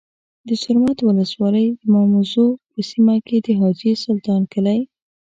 د زرمت ولسوالۍ د ماموزو په سیمه کي د حاجي سلطان کلی